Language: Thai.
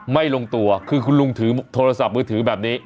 ไม่ลงตัวคือคุณลุงถือโทรศัพท์มือถือแบบนี้